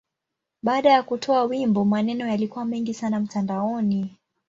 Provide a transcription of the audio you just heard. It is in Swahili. Baada ya kutoa wimbo, maneno yalikuwa mengi sana mtandaoni.